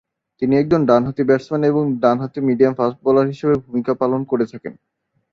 তিনি একজন ডানহাতি ব্যাটসম্যান এবং ডানহাতি মিডিয়াম ফাস্ট বোলার হিসেবে ভূমিকা পালন করে থাকেন।